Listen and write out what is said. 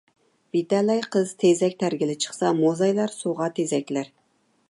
بىتەلەي قىز تېزەك تەرگىلى چىقسا، موزايلار سۇغا تېزەكلەر.